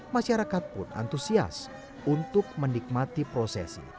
masyarakat pun antusias untuk menikmati prosesi